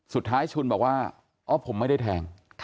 สุดท้ายชุนบอกว่าอ๋อผมไม่ได้แทง